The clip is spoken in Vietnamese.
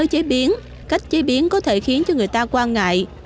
chế biến cách chế biến có thể khiến cho người ta quan ngại